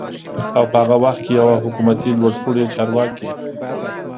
او په هغه وخت کې يوه حکومتي لوړپوړي چارواکي